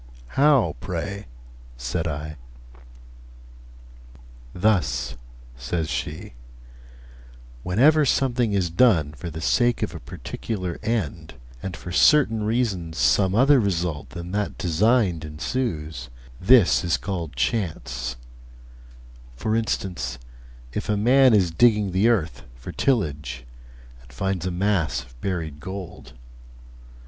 'How, pray?' said I. 'Thus,' says she: 'Whenever something is done for the sake of a particular end, and for certain reasons some other result than that designed ensues, this is called chance; for instance, if a man is digging the earth for tillage, and finds a mass of buried gold.